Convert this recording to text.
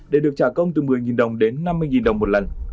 để được trả công từ một mươi đồng đến năm mươi đồng một lần